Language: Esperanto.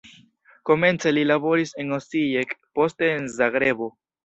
Komence li laboris en Osijek, poste en Zagrebo.